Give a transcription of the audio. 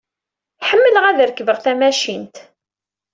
Ḥemmleɣ ad rekbeɣ tamacint.